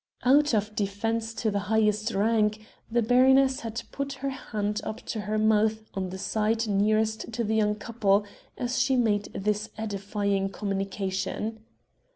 Out of deference to the "highest rank" the baroness had put her hand up to her mouth on the side nearest to the young people as she made this edifying communication.